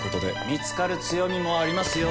見つかる強みもありますよ。